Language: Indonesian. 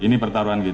ini pertaruhan kita